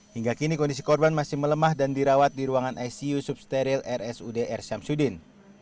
hingga kini kondisi korban masih melemah dan dirawat di ruangan icu substeril rsud r syamsudin